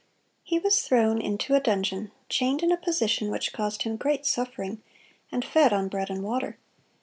(145) He was thrown into a dungeon, chained in a position which caused him great suffering, and fed on bread and water.